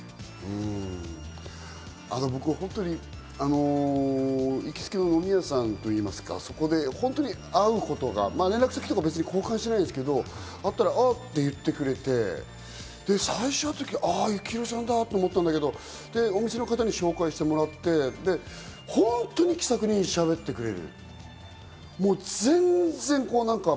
僕、ホントに行きつけの飲み屋さんといいますか、そこで連絡先とか交換してないんですけど、会ったら、あっ！って言ってくれて、最初のとき、「あっ、幸宏さんだ！」と思ったんだけど、お店の方に紹介してもらって、本当に気さくにしゃべってくれる。